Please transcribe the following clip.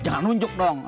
jangan nunjuk dong